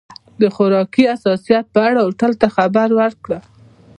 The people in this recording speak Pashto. د خوراکي حساسیت په اړه هوټل ته خبر ورکړه.